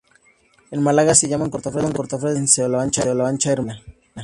En Málaga se llaman cofrades de vela y en Salamanca hermanos de fila.